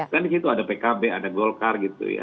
kan di situ ada pkb ada golkar gitu ya